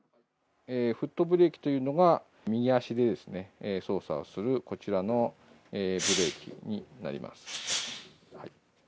フットブレーキというのが、右足で操作をするこちらのブレーキになります。